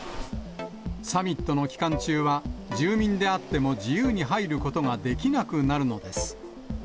サミットの期間中は、住民であっても自由に入ることができなくなるのです。